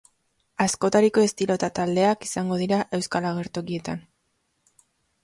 Askotariko estilo eta taldeak izango dira euskal agertokietan.